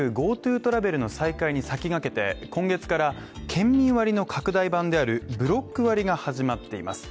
ＧｏＴｏトラベルの再開に先駆けて今月から県民割の拡大版であるブロック割が始まっています。